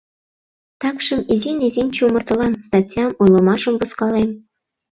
Такшым изин-изин чумыртылам: статьям, ойлымашым возкалем.